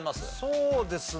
そうですね